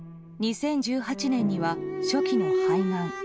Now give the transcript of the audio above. ２０１８年には初期の肺がん。